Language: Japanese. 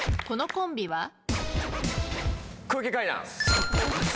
このコンビは？